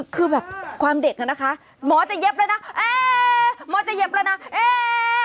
คือแบบความเด็กอะนะคะหมอจะเย็บแล้วนะเอ๊หมอจะเย็บแล้วนะเอ๊ะ